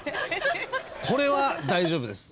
これは大丈夫です。